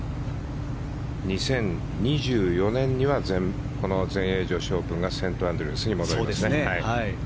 ２０２４年にはこの全英女子オープンがセントアンドリュースに戻りますね。